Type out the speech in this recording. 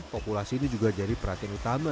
populasi ini juga jadi perhatian utama